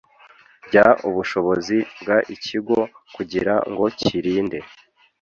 ry ubushobozi bw ikigo kugira ngo kirinde